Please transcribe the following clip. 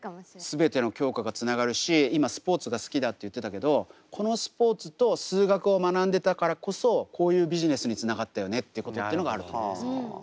全ての教科がつながるし今スポーツが好きだって言ってたけどこのスポーツと数学を学んでたからこそこういうビジネスにつながったよねっていうことってのがあると思いますね。